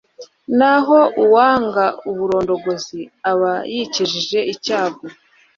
naho uwanga uburondogozi aba yikijije icyago